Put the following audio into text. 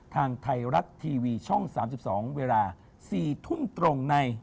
ทางไทยรัฐทีวีช่อง๓๒เวลา๔ทุ่มตรงใน